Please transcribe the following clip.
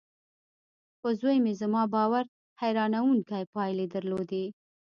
پر زوی مې زما باور حيرانوونکې پايلې درلودې.